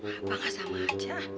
apa gak sama aja